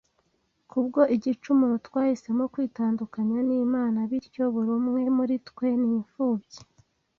kubwo igicumuro twahisemo kwitandukanya n’Imana bityo buri umwe muri twe n’imfubyi